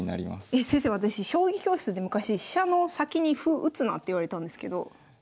えっ先生私将棋教室で昔飛車の先に歩打つなって言われたんですけどいいんですか？